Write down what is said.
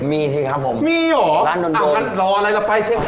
มีจริงครับผมร้านโดนโดนมีเหรออ่ะรออะไรแล้วไปเชียงคาน